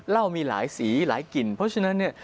เหล้ามีหลายสีหลายกลิ่นเพราะฉะนั้นเนี่ย